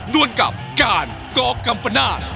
นวดกับกาลก๊อกกำปะนาด